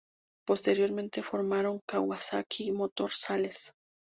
Posteriormente formaron Kawasaki Motor Sales.